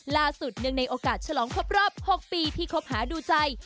ล่าสุดเนื่องในโอกาสชะลองครบรอบ๖ปีที่คบฮาดูใจ